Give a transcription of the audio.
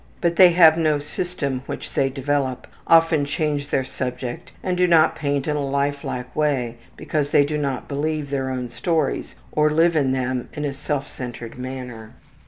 But they have no system which they develop, often change their subject and do not paint in a lifelike way because they do not believe their own stories or live in them in a self centered manner.